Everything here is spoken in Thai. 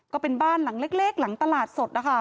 ก็เป็นบ้านหลังเล็กหลังตลาดสดนะคะ